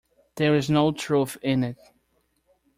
There is no truth in it.